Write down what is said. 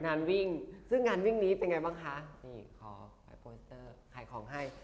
งานวิ่งซึ่งงานวิ่งนี้เป็นไงบ้างคะนี่ขอไปโปสเตอร์ขายของให้